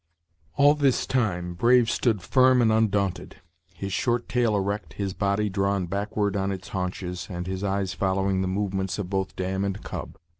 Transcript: All this time Brave stood firm and undaunted, his short tail erect, his body drawn backward on its haunches, and his eyes following the movements of both dam and cub.